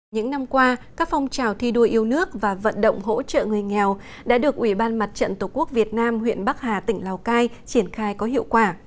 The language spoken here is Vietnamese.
những năm qua các phong trào thi đua yêu nước và vận động hỗ trợ người nghèo đã được ủy ban mặt trận tổ quốc việt nam huyện bắc hà tỉnh lào cai triển khai có hiệu quả